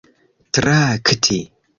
trakti